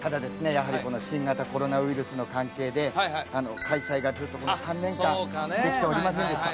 やはりこの新型コロナウイルスの関係で開催がずっとこの３年間できておりませんでした。